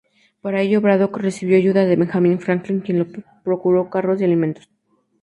Para ello Braddock recibió ayuda de Benjamin Franklin, quien le procuró carros y alimentos.